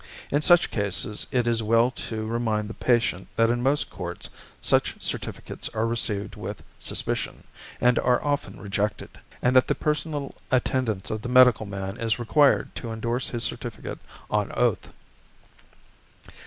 In such cases it is well to remind the patient that in most courts such certificates are received with suspicion, and are often rejected, and that the personal attendance of the medical man is required to endorse his certificate on oath.